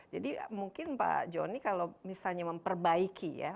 jadi mungkin pak jonny kalau misalnya memperbaiki ya